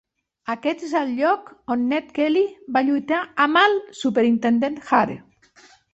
Aquest és el lloc on Ned Kelly va lluitar amb el Superintendent Hare.